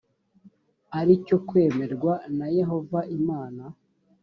ari cyo kwemerwa na yehova imana